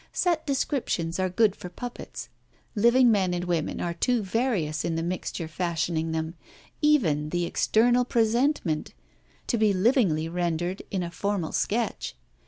Set descriptions are good for puppets. Living men and women are too various in the mixture fashioning them even the "external presentment" to be livingly rendered in a formal sketch.